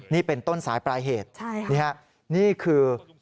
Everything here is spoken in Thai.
นี่เป็นต้นสายปลายเหตุนี่คือใช่ครับ